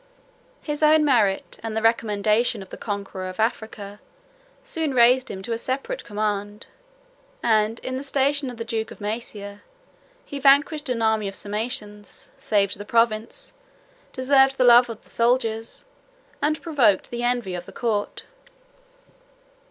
His own merit, and the recommendation of the conqueror of Africa, soon raised him to a separate command; and, in the station of Duke of Mæsia, he vanquished an army of Sarmatians; saved the province; deserved the love of the soldiers; and provoked the envy of the court.